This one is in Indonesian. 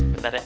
bentar ya pak